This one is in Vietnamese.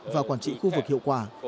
và quản trị khu vực hiệu quả